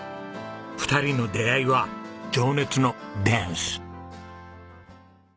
２人の出会いは情熱のダンス。